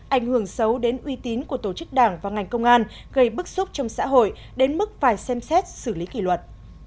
ảnh hưởng xấu đến uy tín của tổ chức đảng và ngành công an gây bức xúc trong xã hội đến mức phải xem xét xử lý kỷ luật